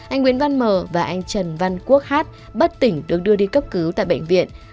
anh nguyễn văn mờ và anh trần văn quốc hát bất tỉnh được đưa đi cấp cứu tại bệnh viện